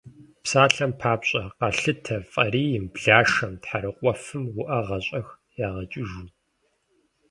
Псалъэм папщӏэ, къалъытэ фӏарийм, блашэм, тхьэрыкъуэфым уӏэгъэр щӏэх ягъэкӏыжу.